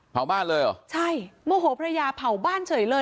เผาบ้านเลยเหรอใช่โมโหภรรยาเผาบ้านเฉยเลย